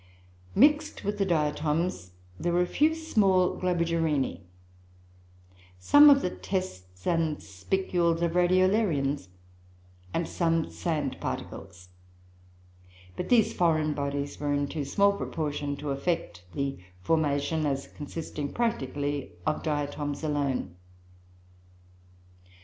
Mixed with the Diatoms there were a few small Globigerinoe, some of the tests and spicules of Radiolarians, and some sand particles; but these foreign bodies were in too small proportion to affect the formation as consisting practically of Diatoms alone.